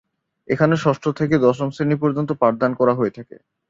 এখানে ষষ্ঠ থেকে দশম শ্রেণী পর্য্যন্ত পাঠদান করা হয়ে থাকে।